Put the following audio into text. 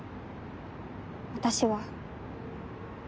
私は。